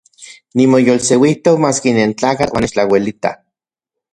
Nimoyolseuijtok maski nentlakatl uan nechtlauelita.